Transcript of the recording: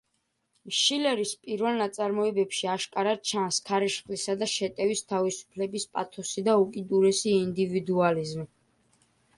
შილერის პირველ ნაწარმოებებში აშკარად ჩანს „ქარიშხლისა და შეტევის“ თავისუფლების პათოსი და უკიდურესი ინდივიდუალიზმი.